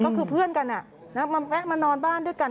ก็คือเพื่อนกันแวะมานอนบ้านด้วยกัน